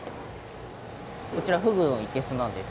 こちらフグの生けすなんですけど。